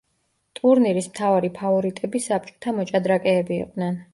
ტურნირის მთავარი ფავორიტები საბჭოთა მოჭადრაკეები იყვნენ.